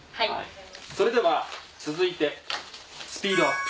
それでは続いてスピードアップ。